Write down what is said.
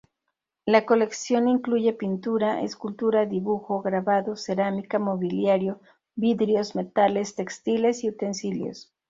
La colección incluye pintura, escultura, dibujo, grabado, cerámica, mobiliario, vidrios, metales, textiles y utensilios.